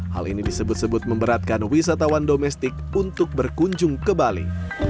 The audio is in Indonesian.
hal ini disebut sebut memberatkan wisatawan domestik untuk berkunjung ke bali